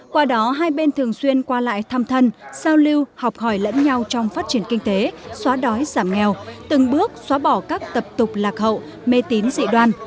qua đó hai bên thường xuyên qua lại thăm thân giao lưu học hỏi lẫn nhau trong phát triển kinh tế xóa đói giảm nghèo từng bước xóa bỏ các tập tục lạc hậu mê tín dị đoan